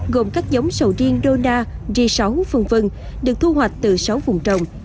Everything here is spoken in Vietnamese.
gồm các giống sầu riêng dona g sáu v v được thu hoạch từ sáu vùng trồng